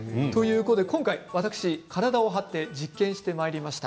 今回、私、体を張って実験してまいりました。